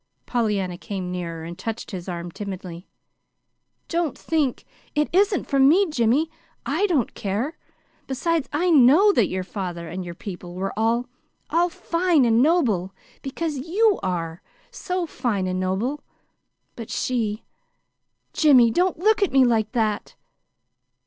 Pollyanna came nearer, and touched his arm timidly. "Don't think It isn't for me, Jimmy. I don't care. Besides, I KNOW that your father and your people were all all fine and noble, because YOU are so fine and noble. But she Jimmy, don't look at me like that!"